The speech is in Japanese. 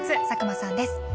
佐久間さんです。